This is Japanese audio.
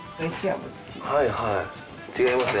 はいはい。